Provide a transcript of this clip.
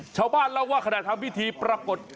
ชาวบ้านเล่าว่าขณะทำพิธีปรากฏ